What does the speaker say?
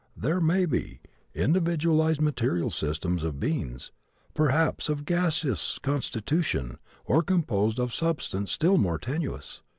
There may be individualized material systems of beings, perhaps of gaseous constitution, or composed of substance still more tenuous.